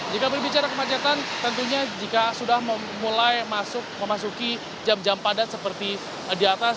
jika berbicara kemacetan tentunya jika sudah mulai masuk memasuki jam jam padat seperti di atas